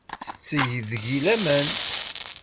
Tetteg deg-i laman.